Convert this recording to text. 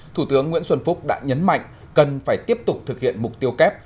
thủ tướng nguyễn xuân phúc đã nhấn mạnh cần phải tiếp tục thực hiện mục tiêu kép